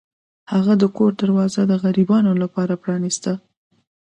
هغه د کور دروازه د غریبانو لپاره پرانیسته.